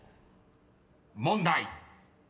［問題］